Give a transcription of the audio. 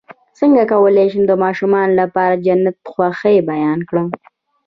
څنګه کولی شم د ماشومانو لپاره د جنت د خوښۍ بیان کړم